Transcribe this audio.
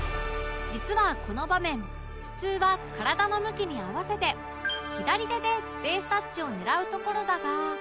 実はこの場面普通は体の向きに合わせて左手でベースタッチを狙うところだが